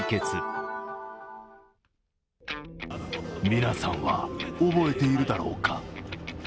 皆さんは覚えているだろうか。